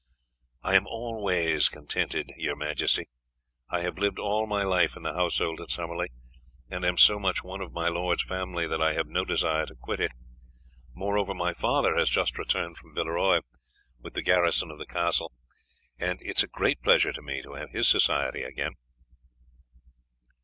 "I am in all ways contented, your majesty. I have lived all my life in the household at Summerley, and am so much one of my lord's family that I have no desire to quit it. Moreover, my father has just returned from Villeroy with the garrison of the castle, and it is a great pleasure to me to have his society again."